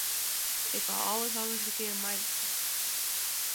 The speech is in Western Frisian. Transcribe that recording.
Ik haw alles al ris in kear meimakke.